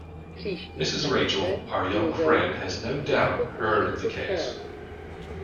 Mrs. Rachael, our young friend has no doubt heard of the case.